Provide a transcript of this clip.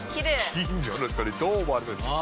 近所の人にどう思われてる。